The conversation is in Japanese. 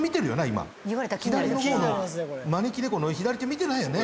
今左の方の招き猫の左手見てないよね？